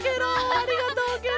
ありがとうケロ！